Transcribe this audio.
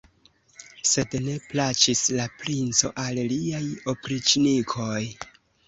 Sed ne plaĉis la princo al liaj opriĉnikoj.